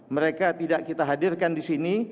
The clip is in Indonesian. mereka tidak kita hadirkan di sini